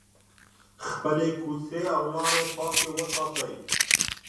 خپلې کوڅې او لارې پاکې وساتئ.